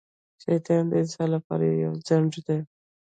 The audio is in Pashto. شیطان د انسان لپاره یو خڼډ دی.